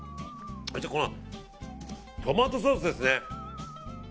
このトマトソースですね。